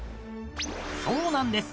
［そうなんです